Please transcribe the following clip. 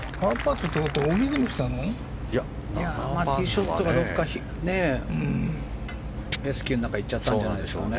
ティーショットがどこかフェスキューの中にいっちゃったんじゃないでしょうかね。